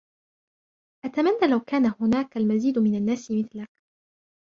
أتمنى لو كان هناك المزيد من الناس مثلك.